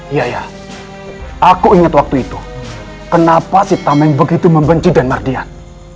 iya ya aku ingat waktu itu kenapa si tameng begitu membenci dan mardian